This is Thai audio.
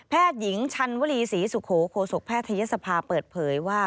แพทยกยิงชันวรีศรีสุโโขโคสกแพทยศภาเปิดเผยว่า